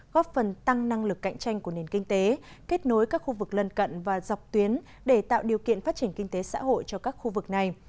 góp phần tăng năng lực cạnh tranh của nền kinh tế kết nối các khu vực lân cận và dọc tuyến để tạo điều kiện phát triển kinh tế xã hội cho các khu vực này